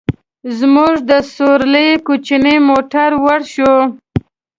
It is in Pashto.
زموږ د سورلۍ کوچنی موټر ورو شو.